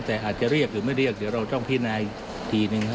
แต่อาจจะเรียกหรือไม่เรียกเดี๋ยวเราต้องพินาอีกทีหนึ่งครับ